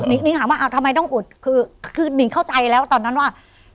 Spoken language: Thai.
นิ่งถามว่าทำไมต้องอุดคือนิงเข้าใจแล้วตอนนั้นว่า